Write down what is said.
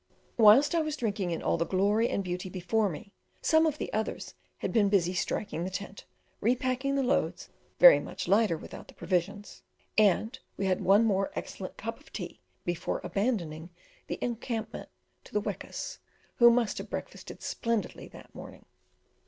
Whilst I was drinking in all the glory and beauty before me, some of the others had been busy striking the tent, repacking the loads, very much lighter without the provisions; and we had one more excellent cup of tea before abandoning the encampment to the wekas, who must have breakfasted splendidly that morning.